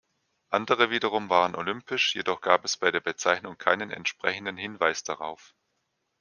Andere wiederum waren olympisch, jedoch gab es bei der Bezeichnung keinen entsprechenden Hinweis darauf.